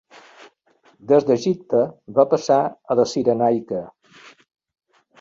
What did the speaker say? Des d'Egipte va passar a la Cirenaica.